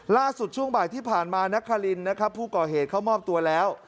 ล่าสุดช่วงบ่ายที่ผ่านมานักฮารินผู้กล่อเหตุเขามอบตัวแล้ว